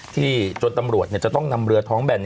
จนตำรวจจะต้องนำเรือท้องแบน